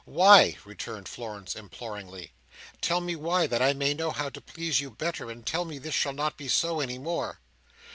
"Why?" returned Florence imploringly. "Tell me why, that I may know how to please you better; and tell me this shall not be so any more."